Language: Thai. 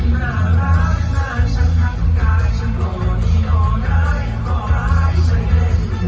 น่ารักน่าให้ฉันทำกายฉันต่อที่ต่อได้ต่อมาให้ฉันเล่น